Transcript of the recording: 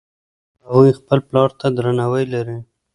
هغوی خپل پلار ته درناوی لري